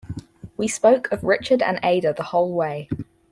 We spoke of Richard and Ada the whole way.